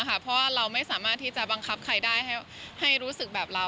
เพราะว่าเราไม่สามารถที่จะบังคับใครได้ให้รู้สึกแบบเรา